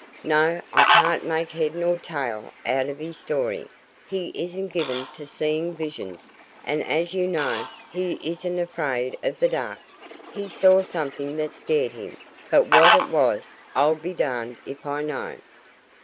"No, I can't make head nor tail out of his story. He isn't given to seeing visions, and as you know, he isn't afraid of the dark. He saw something that scared him; but what it was, I'll be darned if I know!"